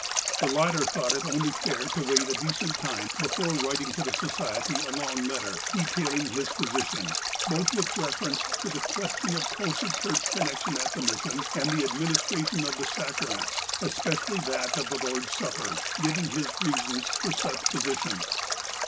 The latter thought it only fair to wait a decent time before writing the Society a long letter, detailing his po sition, both with reference to the question of closer church connection at the mission, and the administration of the sacraments, especially that of the Lord's Supper, giving his reasons for such position.